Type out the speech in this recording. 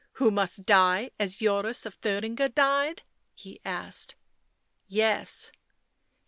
" Who must die as Joris of Thuringia died ?" he asked. "Yes."